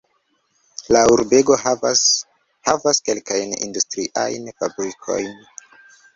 La urbego havas havas kelkajn industriajn fabrikojn.